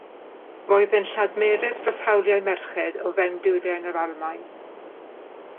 Roedd yn lladmerydd dros hawliau merched o fewn Dwyrain yr Almaen.